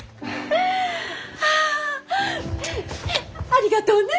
ありがとうね！